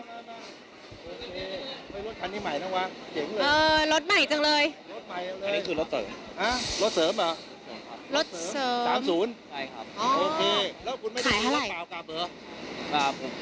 รถคันนี้ใหม่นะวะเจ๋งเลย